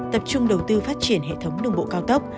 tập trung đầu tư phát triển hệ thống đường bộ cao tốc